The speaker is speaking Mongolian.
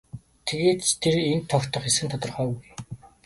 Тэгээд ч тэр энд тогтох эсэх нь тодорхойгүй.